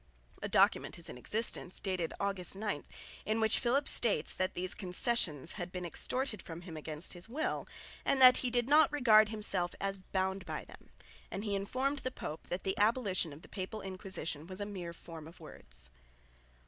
A document is in existence, dated August 9, in which Philip states that these concessions had been extorted from him against his will and that he did not regard himself as bound by them, and he informed the Pope that the abolition of the Papal Inquisition was a mere form of words.